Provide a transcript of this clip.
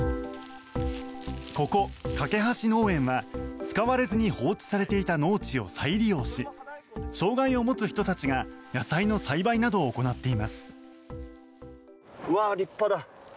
ここ、かけはし農園は使われずに放置されていた農地を再利用し障害を持つ人たちが野菜の栽培などを行っています。